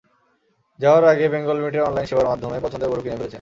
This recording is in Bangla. যাওয়ার আগে বেঙ্গল মিটের অনলাইন সেবার মাধ্যমে পছন্দের গরু কিনে ফেলেছেন।